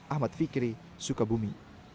ahmad fikri sukabumi